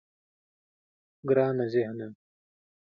گرانه ذهنه.